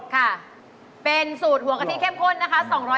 ค่ะเป็นสูตรหัวกะทิเข้มข้นนะคะ